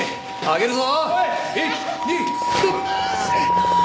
上げるぞ。